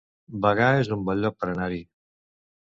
Bagà es un bon lloc per anar-hi